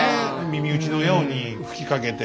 耳打ちのように吹きかけて。